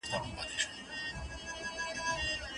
که ماشومان هره ورځ یو مخ املا ولیکي نو ګټه کوي.